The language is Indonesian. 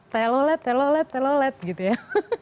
telolet telolet telolet gitu ya